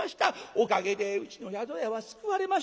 おかげでうちの宿屋は救われました。